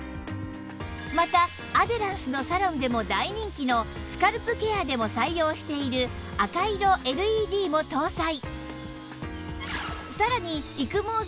またアデランスのサロンでも大人気のスカルプケアでも採用している赤色 ＬＥＤ も搭載